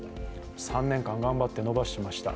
３年間、頑張って伸ばしました。